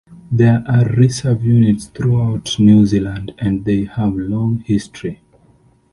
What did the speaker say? There are Reserve units throughout New Zealand, and they have a long history.